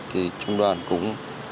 thì trung đoàn cũng